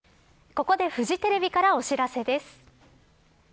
ここでフジテレビからお知らせです。